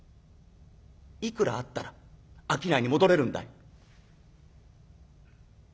いくらあったら商いに戻れるんだい」。